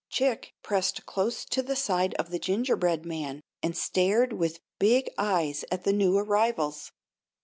Chick pressed close to the side of the gingerbread man and stared with big eyes at the new arrivals.